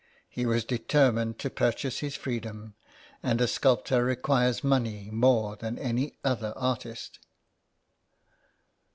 He was determined to purchase his freedom, and a sculptor requires money more than any other artist.